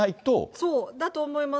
そうだと思います。